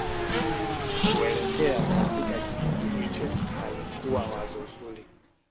kuelekea katika kijiji hicho halikuwa wazo zuri